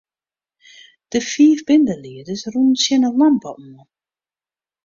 De fiif bindelieders rûnen tsjin 'e lampe oan.